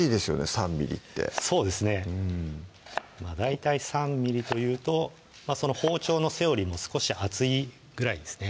３ｍｍってそうですね大体３ｍｍというとその包丁の背よりも少し厚いぐらいですね